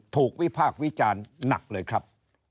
ถูกวิภาควิจารณ์หนักเลยครับ